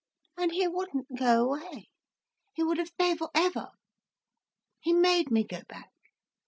And he wouldn't go away, he would have stayed for ever. He made me go back.